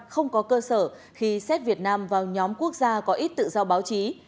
không có cơ sở khi xét việt nam vào nhóm quốc gia có ít tự do báo chí